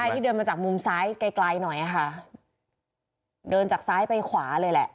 ที่เดินมาจากมุมซ้ายไกลไกลหน่อยค่ะเดินจากซ้ายไปขวาเลยแหละ